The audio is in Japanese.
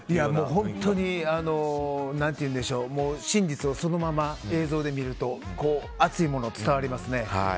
本当に真実をそのまま映像で見ると熱いものが伝わりますね。